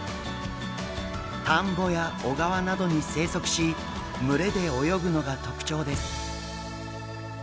田んぼや小川などに生息し群れで泳ぐのが特徴です。